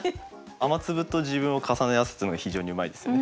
雨粒と自分を重ね合わせてるのが非常にうまいですよね。